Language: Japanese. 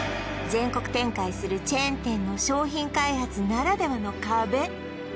全国展開するチェーン店の商品開発ならではの壁